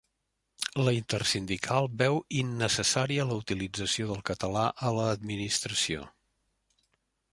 La Intersindical veu innecessària la utilització del català a l'administració